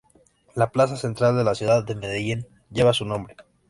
La plaza central de la ciudad de Medellín lleva su nombre.